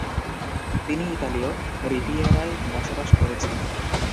তিনি ইতালীয় রিভিয়েরায় বসবাস করেছেন।